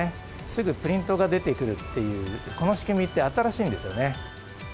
すぐプリントが出てくるっていう、この仕組みって、新しいんですよね。